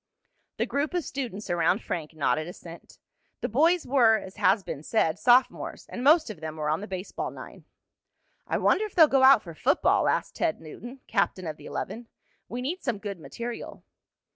The group of students around Frank nodded assent. The boys were, as has been said, sophomores, and most of them were on the baseball nine. "I wonder if they'll go out for football?" asked Ted Newton, captain of the eleven. "We need some good material."